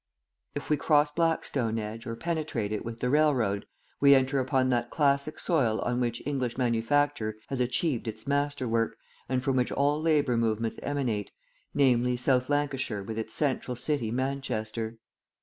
If we cross Blackstone Edge or penetrate it with the railroad, we enter upon that classic soil on which English manufacture has achieved its masterwork and from which all labour movements emanate, namely, South Lancashire with its central city Manchester.